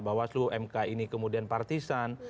bahwa seluruh mk ini kemudian partisan